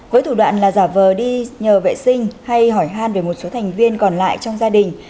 với thủ đoạn là giả vờ đi nhờ vệ sinh hay hỏi hàn về một số thành viên còn lại trong gia đình